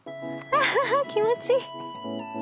気持ちいい！